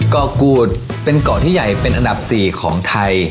เกาะกูดเป็นเกาะที่ใหญ่เป็นอันดับ๔ของไทย